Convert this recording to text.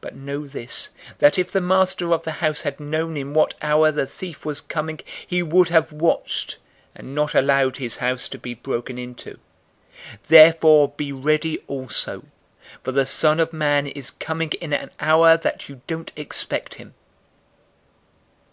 012:039 But know this, that if the master of the house had known in what hour the thief was coming, he would have watched, and not allowed his house to be broken into. 012:040 Therefore be ready also, for the Son of Man is coming in an hour that you don't expect him."